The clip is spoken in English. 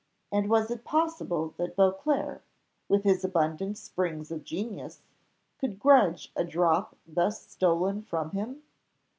And was it possible that Beauclerc, with his abundant springs of genius, could grudge a drop thus stolen from him?